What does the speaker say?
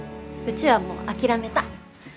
うちはもう諦めた。